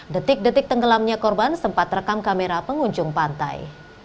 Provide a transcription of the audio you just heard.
detik detik tenggelamnya korban sempat rekam kamera pengunjung pantai